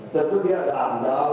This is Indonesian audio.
tentu dia ada andal